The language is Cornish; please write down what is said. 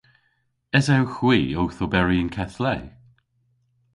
Esewgh hwi owth oberi y'n keth le?